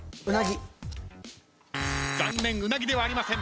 残念ウナギではありません。